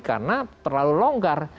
karena terlalu longgar